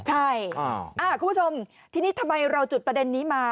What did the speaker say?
ใช่คุณผู้ชมทีนี้ทำไมเราจุดประเด็นนี้มา